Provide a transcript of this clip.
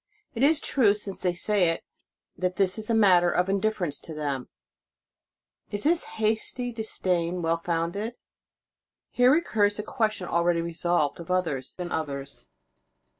It is true, since they say it, that this is a matter of indifference to them. Is this haughty disdain well founded? Here recurs the question already resolved of others and others.